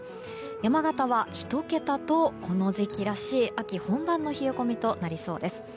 山形は１桁とこの時期らしい秋本番の冷え込みとなりそうです。